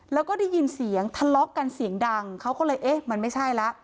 แล้วก็ได้ยินเสียงทะเลาะกันเสียงดังเขาก็เลยเอ๊ะมันไม่ใช่แล้ว